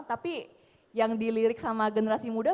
tapi yang dilirik sama generasi muda